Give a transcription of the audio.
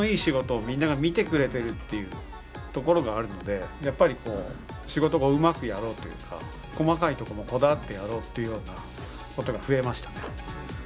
っていうところがあるのでやっぱり仕事をうまくやろうというか細かいところもこだわってやろうというようなことが増えましたね。